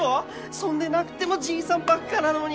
そんでなくてもじいさんばっかなのに！